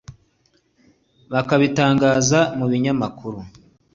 bakabitangaza mu binyamakuru